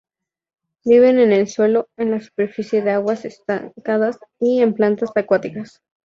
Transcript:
Viven en el suelo, en la superficie de aguas estancadas y en plantas acuáticas.